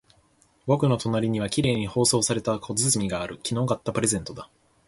僕の隣には綺麗に包装された小包がある。昨日買ったプレゼントだ。